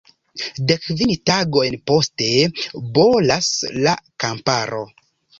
Dek kvin tagojn poste bolas la kamparo.